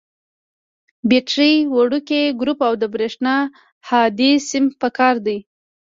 بټرۍ، وړوکی ګروپ او د برېښنا هادي سیم پکار دي.